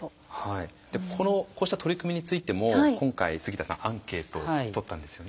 でこのこうした取り組みについても今回杉田さんアンケートをとったんですよね。